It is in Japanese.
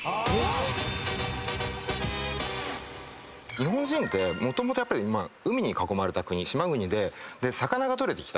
日本人ってもともと海に囲まれた国島国で魚が取れてきた。